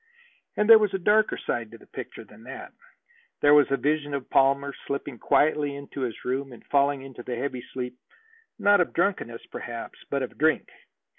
And there was a darker side to the picture than that. There was a vision of Palmer slipping quietly into his room and falling into the heavy sleep, not of drunkenness perhaps, but of drink.